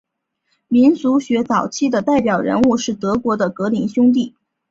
民俗学早期的代表人物是德国的格林兄弟。